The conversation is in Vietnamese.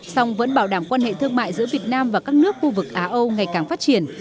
song vẫn bảo đảm quan hệ thương mại giữa việt nam và các nước khu vực á âu ngày càng phát triển